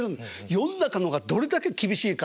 世の中の方がどれだけ厳しいか。